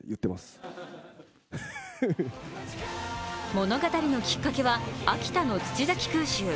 物語のきっかけは秋田の土崎空襲。